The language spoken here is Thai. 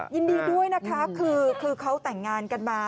ยินดีด้วยนะคะคือเขาแต่งงานกันมา